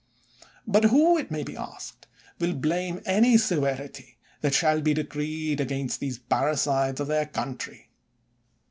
But who, it may be asked, will blame any se verity that shall be decreed against these parri cides of their country